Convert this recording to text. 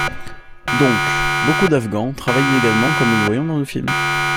Donc, beaucoup d’afghans travaillent illégalement comme nous voyons dans le film.